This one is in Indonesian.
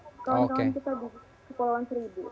kawan kawan kita di kepulauan seribu